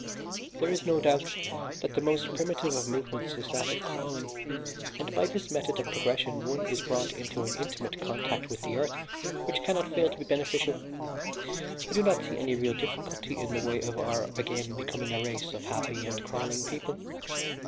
"There is no doubt that the most primitive of movements is that of crawling, and by this method of progression, one is brought into an intimate contact with the earth which cannot fail to be beneficial. I do not see any real difficulty in the way of our again becoming a race of happy and crawling people.